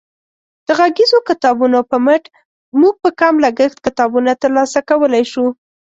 د غږیزو کتابونو په مټ موږ په کم لګښت کتابونه ترلاسه کولی شو.